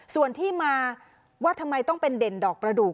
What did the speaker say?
ส่วนที่มาว่าทำไมต้องเป็นเด่นดอกประดูก